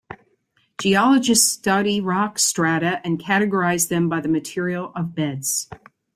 Geologists study rock strata and categorize them by the material of beds.